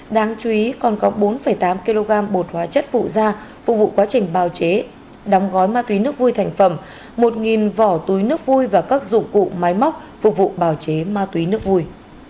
đáng chú ý còn có bốn tám kg bột hóa chất phụ da phục vụ quá trình bào chế đóng gói ma túy nước vui thành phẩm một vỏ túy nước vui và các dụng cụ máy móc phục vụ bào chế ma túy nước vui